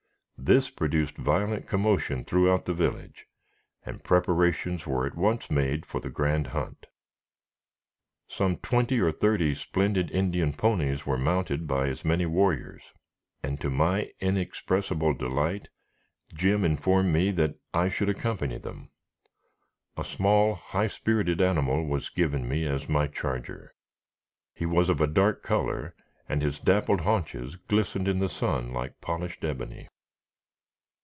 This produced violent commotion throughout the village, and preparations were at once made for the grand hunt. Some twenty or thirty splendid Indian ponies were mounted by as many warriors, and, to my inexpressible delight, Jim informed me that I should accompany them. A small, high spirited animal was given me as my charger. He was of a dark color, and his dappled haunches glistened in the sun like polished ebony.